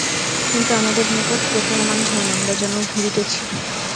কিন্তু আমাদের নিকট প্রতীয়মান হয়, আমরা যেন ঘুরিতেছি।